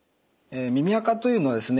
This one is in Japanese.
耳あかというのはですね